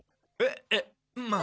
えっまあ。